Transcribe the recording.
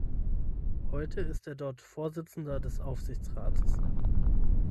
Heute ist er dort Vorsitzender des Aufsichtsrates.